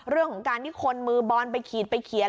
เรื่องของการที่คนมือบอลไปขีดไปเขียน